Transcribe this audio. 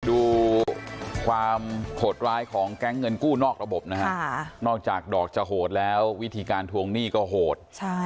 ดูความโหดร้ายของแก๊งเงินกู้นอกระบบนะฮะนอกจากดอกจะโหดแล้ววิธีการทวงหนี้ก็โหด